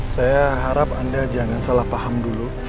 saya harap anda jangan salah paham dulu